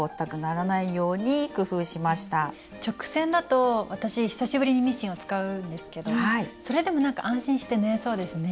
直線だと私久しぶりにミシンを使うんですけどそれでもなんか安心して縫えそうですね。